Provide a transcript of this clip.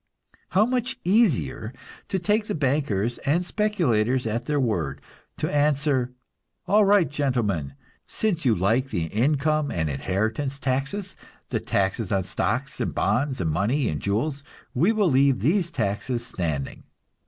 How much easier to take the bankers and speculators at their word! To answer, "All right, gentlemen, since you like the income and inheritance taxes, the taxes on stocks and bonds and money and jewels, we will leave these taxes standing.